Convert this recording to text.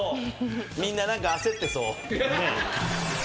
みんな何か焦ってそう。